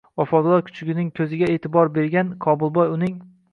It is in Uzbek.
Vafodor kuchugining ko`ziga e`tibor bergan Qobilboy, uning